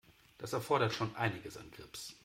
Das erfordert schon einiges an Grips.